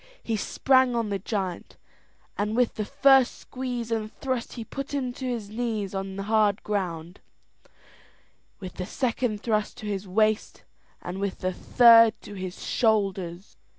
He sprang on the giant, and with the first squeeze and thrust he put him to his knees in the hard ground, with the second thrust to his waist, and with the third to his shoulders.